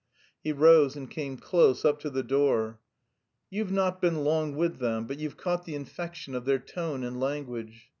He rose and came close up to the door. "You've not been long with them, but you've caught the infection of their tone and language.